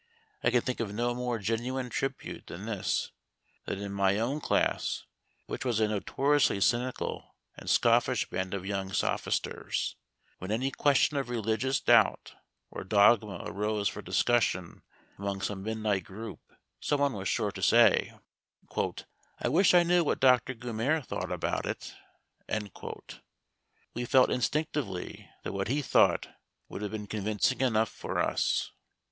I can think of no more genuine tribute than this: that in my own class which was a notoriously cynical and scoffish band of young sophisters when any question of religious doubt or dogma arose for discussion among some midnight group, someone was sure to say, "I wish I knew what Doctor Gummere thought about it!" We felt instinctively that what he thought would have been convincing enough for us.